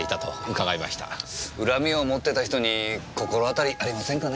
恨みを持ってた人に心当たりありませんかね？